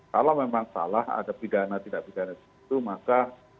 kalau memang salah ada pidana tidak pidana itu maka